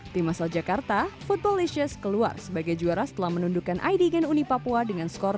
tim asal jakarta footbal lecious keluar sebagai juara setelah menundukkan idgen uni papua dengan skor dua